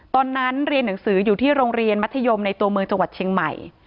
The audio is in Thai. ตอนนั้นเรียนหนังสืออยู่ที่โรงเรียนมัธยมในตัวเมืองจังหวัดเชียงใหม่